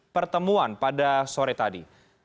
pertemuan pada sore tadi